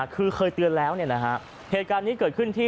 คือเคยเตือนแล้วเหตุการณ์นี้เกิดขึ้นที่